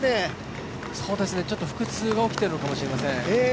ちょっと腹痛が起きているかもしれません。